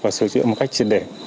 và sử dụng một cách chiến đẻ